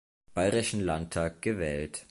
Bayerischen Landtag gewählt.